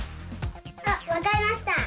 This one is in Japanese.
あわかりました！